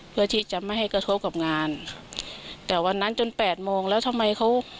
เพื่อที่จะไม่ให้กระทบกับงานครับแต่วันนั้นจนแปดโมงแล้วทำไมเขา